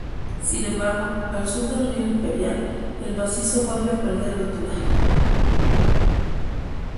Sin embargo, al sur del río Imperial, el macizo vuelve a perder altura.